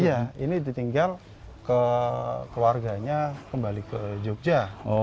iya ini ditinggal ke keluarganya kembali ke jogja